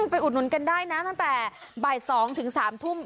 อุดหนุนกันได้นะตั้งแต่บ่าย๒ถึง๓ทุ่ม